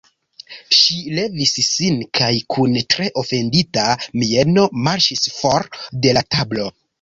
Ŝi levis sin kaj kun tre ofendita mieno marŝis for de la tablo.